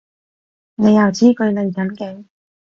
你又知佢嚟緊嘅？